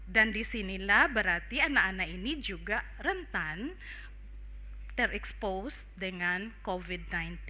dan disinilah berarti anak anak ini juga rentan ter expose dengan covid sembilan belas